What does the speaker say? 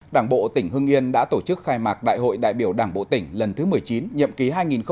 đảng bộ tỉnh hưng yên đã tổ chức khai mạc đại hội đại biểu đảng bộ tỉnh lần thứ một mươi chín nhậm ký hai nghìn hai mươi hai nghìn hai mươi năm